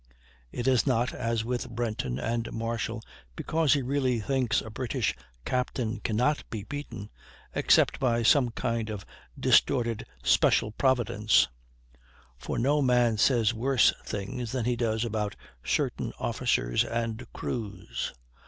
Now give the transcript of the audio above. It is not, as with Brenton and Marshall, because he really thinks a British captain cannot be beaten, except by some kind of distorted special providence, for no man says worse things than he does about certain officers and crews.